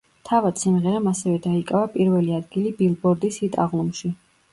თავად სიმღერამ ასევე დაიკავა პირველი ადგილი ბილბორდის ჰიტ-აღლუმში.